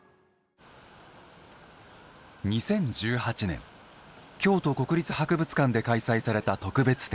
２０１８年京都国立博物館で開催された特別展